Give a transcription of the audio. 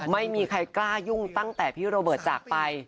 ไม่มีใครกล้ายุ่งตั้งแต่พี่โรเบิร์ตจากไป